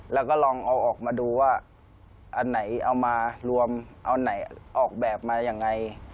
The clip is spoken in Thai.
แล้วก็ลองเอาออกมาดูว่าอันไหนเอามารวมเอาไหนออกแบบมายังไง